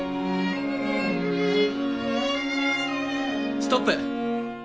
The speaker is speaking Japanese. ストップ。